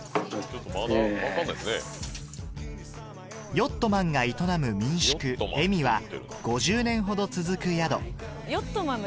ヨットマンが営む民宿恵文は５０年ほど続く宿